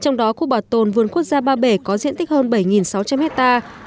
trong đó khu bảo tồn vườn quốc gia ba bể có diện tích hơn bảy sáu trăm linh hectare